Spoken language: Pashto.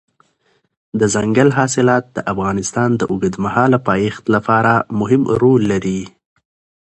دځنګل حاصلات د افغانستان د اوږدمهاله پایښت لپاره مهم رول لري.